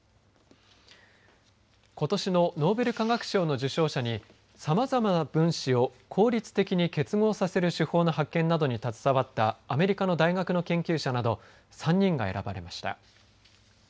ことしのノーベル化学賞の受賞者にさまざまな分子を効率的に結合させる手法の発見などに携わったアメリカ大学の研究者など３人が選ばれました。